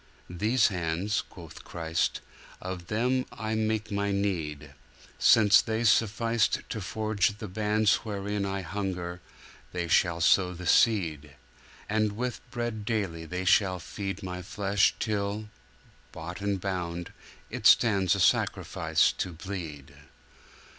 'These hands,' quoth Christ, 'Of them I make My need: Since they sufficed to forge the bands Wherein I hunger, they shall sow the seed! And with bread daily they shall feed My Flesh till, bought and bound, It stands A Sacrifice to bleed.